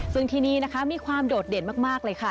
ซึ่งที่นี่นะคะมีความโดดเด่นมากเลยค่ะ